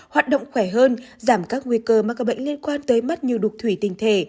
hoạt động khỏe hơn giảm các nguy cơ mắc các bệnh liên quan tới mắt như đục thủy tinh thể